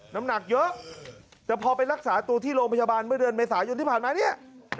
น้ำหนักเยอะแต่พอไปรักษาตัวที่โรงพยาบาลเมื่อเดือนเมษายนที่ผ่านมาเนี่ย